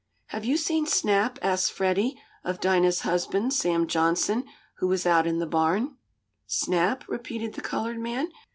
"Have you seen Snap?" asked Freddie of Dinah's husband, Sam Johnson, who was out in the barn. "Snap?" repeated the colored man.